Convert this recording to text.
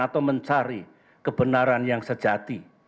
atau mencari kebenaran yang sejati